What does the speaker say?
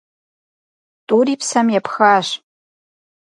ТӀури псэм епхащ.